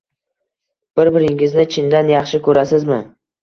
Bir-biringizni chindan yaxshi ko`rasizmi